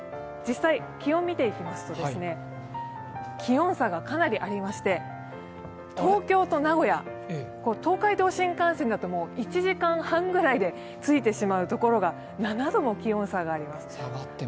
気温を見ていきますと気温差がかなりありまして、東京と名古屋、東海道新幹線だと１時間半ぐらいで着いてしまうところが７度も気温差があります。